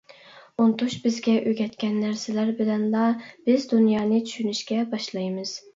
ئۇنتۇش بىزگە ئۆگەتكەن نەرسىلەر بىلەنلا بىز دۇنيانى چۈشىنىشكە باشلايمىز.